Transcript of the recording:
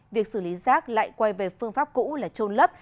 việc xử lý rác lại quay về phương pháp cũ là trôn lấp